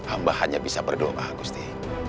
amba hanya bisa berdoa gusti